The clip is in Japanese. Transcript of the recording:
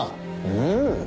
うん。